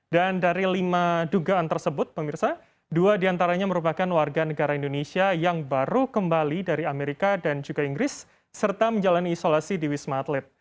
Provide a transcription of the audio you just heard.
dan dari lima dugaan tersebut pemirsa dua diantaranya merupakan warga negara indonesia yang baru kembali dari amerika dan juga inggris serta menjalani isolasi di wisma atlet